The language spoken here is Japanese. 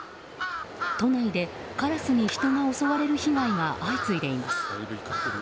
都内で、カラスに人が襲われる被害が相次いでいます。